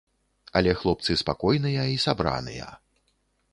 Але хлопцы спакойныя і сабраныя.